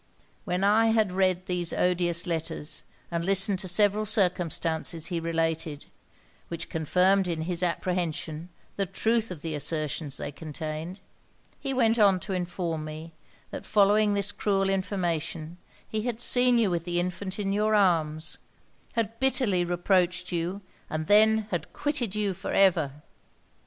'When I had read these odious letters, and listened to several circumstances he related, which confirmed in his apprehension the truth of the assertions they contained, he went on to inform me, that following this cruel information, he had seen you with the infant in your arms; had bitterly reproached you, and then had quitted you for ever!